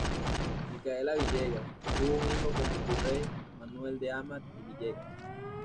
Micaela Villegas tuvo un hijo con el virrey, Manuel de Amat y Villegas.